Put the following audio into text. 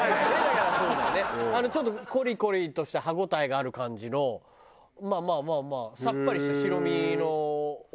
ちょっとコリコリとした歯応えがある感じのまあまあまあまあさっぱりした白身のお刺身って感じ。